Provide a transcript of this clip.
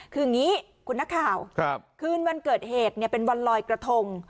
คืออย่างนี้คุณนักข่าวคืนวันเกิดเหตุเป็นวันลอยกระทง